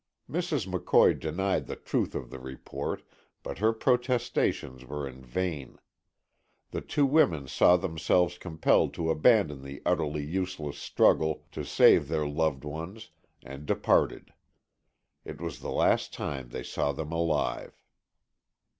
Mrs. McCoy denied the truth of the report, but her protestations were in vain. The two women saw themselves compelled to abandon the utterly useless struggle to save their loved ones and departed. It was the last time they saw them alive.